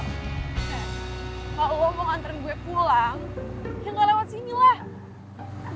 kalau lo mau ngantenin gue pulang ya gak lewat sini lah